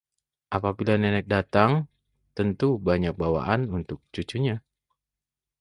apabila nenek datang, tentu banyak bawaan untuk cucunya